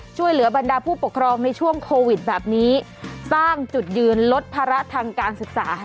ช่วยเหลือบรรดาผู้ปกครองในช่วงโควิดแบบนี้สร้างจุดยืนลดภาระทางการศึกษา